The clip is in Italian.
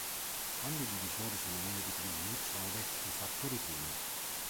Quando i divisori sono numeri primi, sono detti fattori primi.